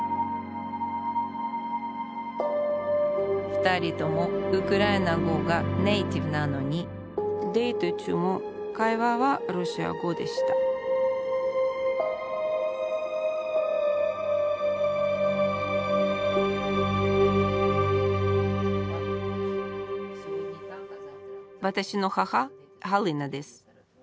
２人ともウクライナ語がネイティブなのにデート中も会話はロシア語でした私の母ハリナです。